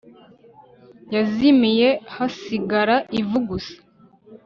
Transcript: yazimiye, hasigara ivu gusa